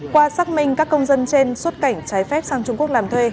qua xác minh các công dân trên xuất cảnh trái phép sang trung quốc làm thuê